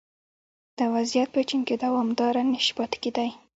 دا وضعیت په چین کې دوامداره نه شي پاتې کېدای